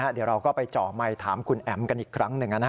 เดี๋ยวเราก็ไปเจาะไมค์ถามคุณแอ๋มกันอีกครั้งหนึ่ง